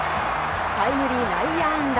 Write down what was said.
タイムリー内野安打。